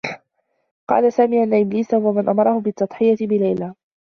قال سامي أنّ إبليس هو من أمره بالتّضحية بليلى.